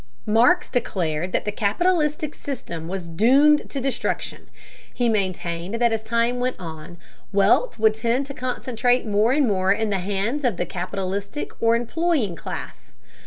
Marx declared that the capitalistic system was doomed to destruction. He maintained that as time went on, wealth would tend to concentrate more and more in the hands of the capitalist or employing class.